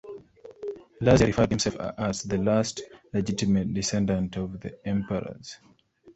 Lazier referred to himself as the last legitimate descendant of the emperors.